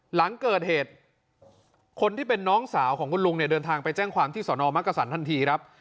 หลังเกิดเหตุคนที่เป็นน้องสาวของคุณลุงเนี่ยเดินทางไปแจ้งความที่สอนอมักกษันทันทีครับ